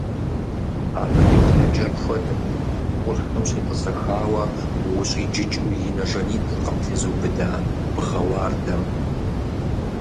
Абы и плъэкӀэр хуэдэт къуршым щетӀысэхауэ ущӀиджыкӀыу и нэ жанитӀыр къыптезубыда бгъэ уардэм.